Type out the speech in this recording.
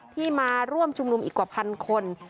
ที่มาร่วมชุมนุมอีกกว่าพันคน